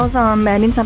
kayak gimana sekarang